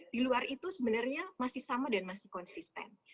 di luar itu sebenarnya masih sama dan masih konsisten